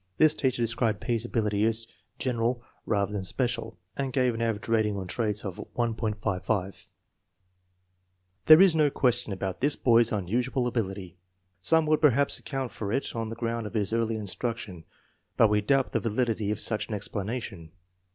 This teacher described P.'s ability as general rather than special, and gave an average rating on traits of 1.55. There is no question about this boy's unusual abil ity. Some would perhaps account for it on the ground of his early instruction, but we doubt the val idity of such an explanation.